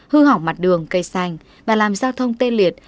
hư hỏng mặt đường cây xanh và làm giao thông tê liệt